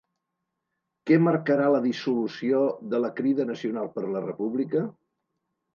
Què marcarà la dissolució de la Crida Nacional per la República?